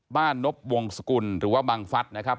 นบวงสกุลหรือว่าบังฟัฐนะครับ